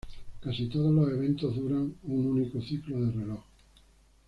Casi todos los eventos duran un único ciclo de reloj.